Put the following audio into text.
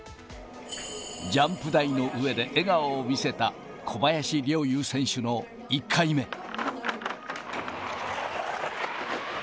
ジャンプ台の上で笑顔を見せた、小林陵侑選手の１回目。